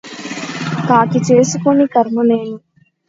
కాకి చేసుకొన్న కర్మమేమి